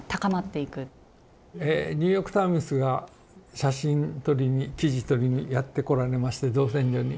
「ニューヨーク・タイムズ」が写真撮りに記事とりにやってこられまして造船所に。